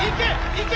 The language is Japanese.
いけ！